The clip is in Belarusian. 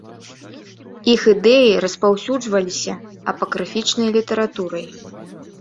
Іх ідэі распаўсюджваліся апакрыфічнай літаратурай.